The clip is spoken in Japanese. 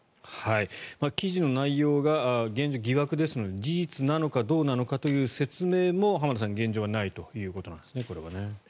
記事の内容が疑惑ですので事実なのかどうなのかという説明も浜田さん、現状はないということなんですね。